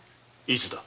いつだ？